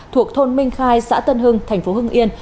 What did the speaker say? thuộc thôn minh khai xã tân hưng tp hưng yên